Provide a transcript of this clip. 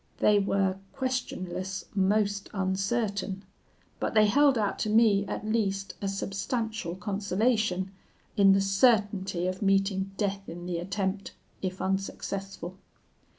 They were questionless most uncertain; but they held out to me, at least, a substantial consolation, in the certainty of meeting death in the attempt, if unsuccessful.